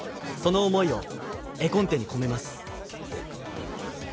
その思いを絵コンテにこめます。